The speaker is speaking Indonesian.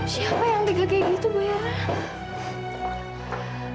siapa yang lega gegi itu bu yara